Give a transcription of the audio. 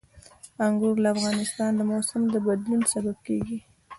انګور د افغانستان د موسم د بدلون سبب کېږي.